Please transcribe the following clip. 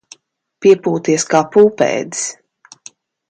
Piepūties kā pūpēdis.